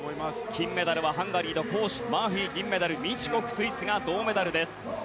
金メダルはハンガリーのコーシュマーフィー、銀メダルミチュコフ、スイスが銅メダル。